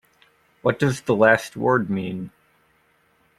What does the last word mean?